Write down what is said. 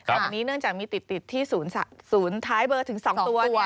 อันนี้เนื่องจากมีติดที่ศูนย์ท้ายเบอร์ถึง๒ตัว